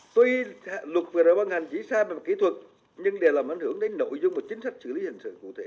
tuy luật vừa rồi bằng hành chỉ xa về kỹ thuật nhưng để làm ảnh hưởng đến nội dung của chính sách chủ lý hình sự cụ thể